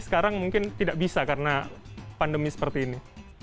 sekarang mungkin tidak bisa karena pandemi seperti ini